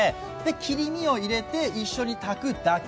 切り身を入れて一緒に炊くだけ。